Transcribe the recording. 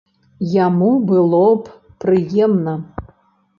Яму было б прыемна.